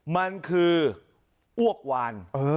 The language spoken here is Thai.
มันคืออ้วกวาน